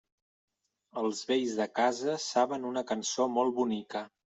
Els vells de casa saben una cançó molt bonica.